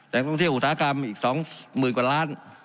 แจ่งท่องเที่ยวอุตสาหกรรมอีกสองหมื่นกว่าล้าน